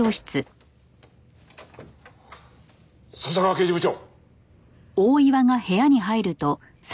笹川刑事部長！